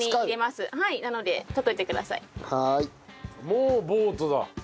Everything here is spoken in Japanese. もうボートだ。